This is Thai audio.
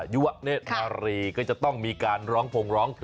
ยวะน่าลีก็จะต้องมีการร้องผงร้องเพลง